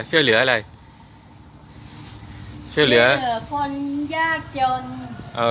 ช่วยเหลืออะไรเข้าเหมือนคนยากจน